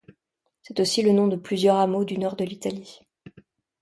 C'est aussi le nom de plusieurs hameaux du nord de l'Italie.